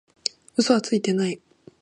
嘘はついてない